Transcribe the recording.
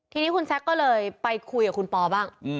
ทีนี้คุณแซคก็เลยไปคุยกับคุณปอบ้าง